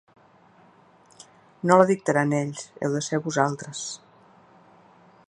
No la dictaran ells, heu de ser vosaltres.